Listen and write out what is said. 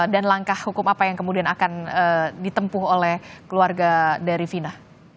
dan langkah hukum apa yang kemudian akan ditempuh oleh keluarga dari vina